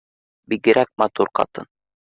Бигерәк матур ҡатын